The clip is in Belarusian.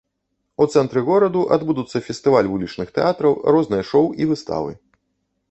У цэнтры гораду адбудуцца фестываль вулічных тэатраў, розныя шоў і выставы.